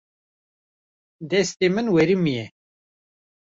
Destê min werimiye.